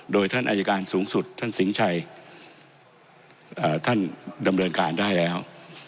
โดยท่านอายการสูงสุดท่านสิงชัยท่านดำเนินการได้แล้ว